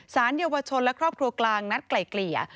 สารเยาวชนและครอบครัวกลางนัดไกล่เกลี่ย